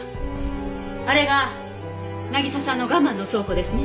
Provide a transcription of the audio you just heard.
あれが渚さんの我慢の倉庫ですね。